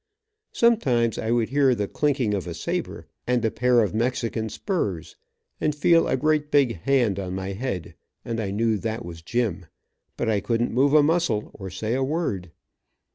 Sometimes I would hear the clanking of a saber and a pair of Mexican spurs, and feel a great big hand on my head, and I knew that was Jim, but I couldn't move a muscle, or say a word.